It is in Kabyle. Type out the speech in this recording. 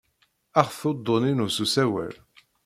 Axet uḍḍun-inu n usawal.